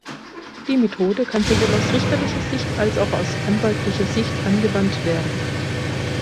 Die Methode kann sowohl aus richterlicher Sicht als auch aus anwaltlicher Sicht angewandt werden.